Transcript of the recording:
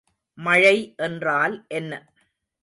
மழை என்றால் என்ன?